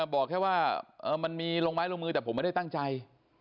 บอกแค่ว่ามันมีลงไม้ลงมือแต่ผมไม่ได้ตั้งใจ